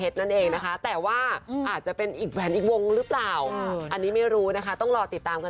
แต่ว่าจริงเล่าให้ฟังนะคะ